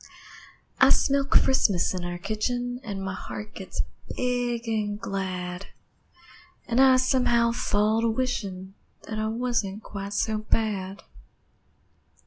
I smell Christmas in our kitchen, An' my heart gets big an' glad, An' I, somehow, fall to wishin', That I wasn't quite so bad.